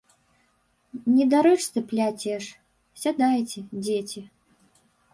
Недарэчы пляцеш, сядайце, дзеці.